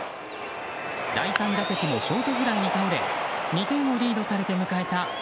第３打席もショートフライに倒れ２点をリードされて迎えた